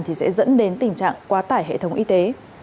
thì sẽ dẫn đến tình trạng quá tải hệ thống y tế